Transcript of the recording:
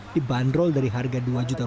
dibanderol dari harga rp dua hingga rp dua belas